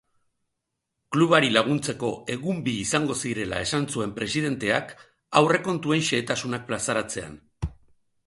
Klubari laguntzeko egun bi izango zirela esan zuen presidenteak aurrekontuen xehetasunak plazaratzean.